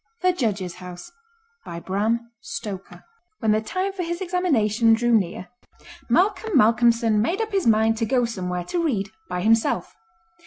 The Judge's House When the time for his examination drew near Malcolm Malcolmson made up his mind to go somewhere to read by himself.